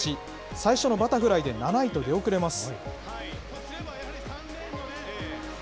最初のバタフライで７位と出遅れます。